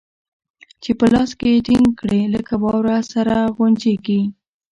چې په لاس کښې يې ټينګ کړې لکه واوره سره غونجېږي.